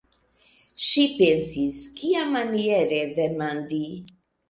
Ŝi pensis: kiamaniere demandi?